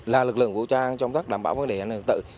là lực lượng vũ trang trong các đảm bảo vấn đề hành động tự